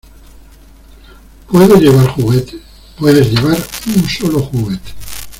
¿ Puedo llevar juguetes? Puedes llevar un sólo juguete.